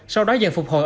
sau đó dần phục hồi